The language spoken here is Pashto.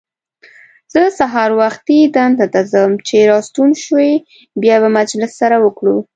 زه سهار وختي دندې ته ځم، چې راستون شوې بیا به مجلس سره وکړو.